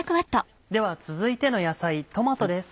では続いての野菜トマトです。